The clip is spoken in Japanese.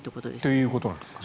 ということなんですね。